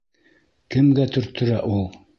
Кемгә төрттөрә ул?